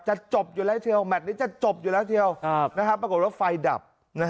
จะจบอยู่แล้วเชียวแมทนี้จะจบอยู่แล้วเชียวปรากฏว่าไฟดับ